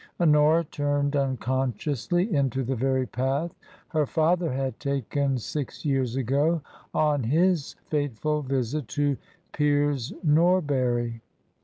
Honora turned unconsciously into the very path her father had taken six years ago on his fateful visit to Piers Norbury.